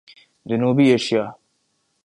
جنوبی ایشیا